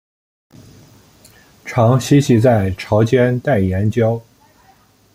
常栖息在潮间带岩礁。